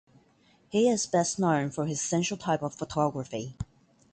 He is best known for his sensual type of photography.